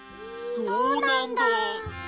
そうなんだ。